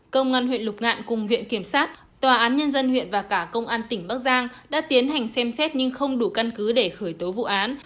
công an huyện lục ngạn cùng viện kiểm sát tòa án nhân dân huyện và cả công an tỉnh bắc giang đã tiến hành xem xét nhưng không đủ căn cứ để khởi tố vụ án